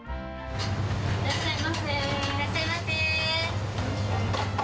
いらっしゃいませ。